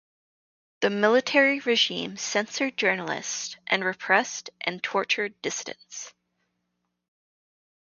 The military regime censored journalists and repressed and tortured dissidents.